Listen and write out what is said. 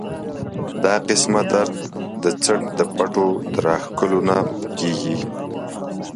دا قسمه درد د څټ د پټو د راښکلو نه کيږي